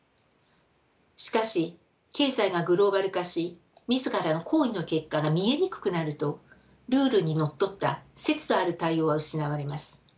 しかし経済がグローバル化し自らの行為の結果が見えにくくなるとルールにのっとった節度ある対応は失われます。